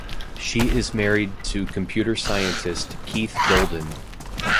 She is married to computer scientist Keith Golden.